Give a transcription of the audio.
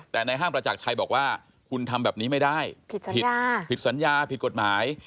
แต่ในห้างประจักรชัยบอกว่าคุณทำแบบนี้ไม่ได้ผิดสัญญาผิดกฎหมาย